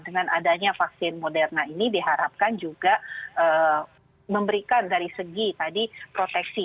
dengan adanya vaksin moderna ini diharapkan juga memberikan dari segi tadi proteksi